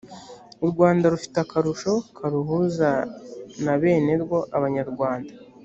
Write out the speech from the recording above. u rwanda rufite akarusho karuhuza na benerwo abanyarwanda